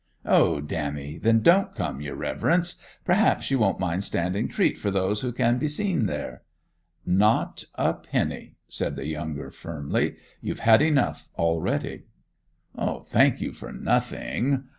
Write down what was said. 'O dammy, then don't come, your reverence. Perhaps you won't mind standing treat for those who can be seen there?' 'Not a penny,' said the younger firmly. 'You've had enough already.' 'Thank you for nothing.